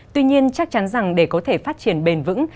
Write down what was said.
tuy nhiên chắc chắn rằng để có thể phát triển bền vững